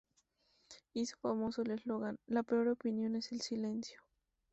Hizo famoso el eslogan "la peor opinión es el silencio".